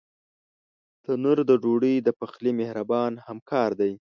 تنور د ډوډۍ د پخلي مهربان همکار دی